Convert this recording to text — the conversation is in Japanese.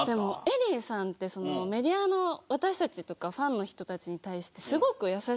エディーさんってメディアの私たちとかファンの人たちに対してすごく優しいから。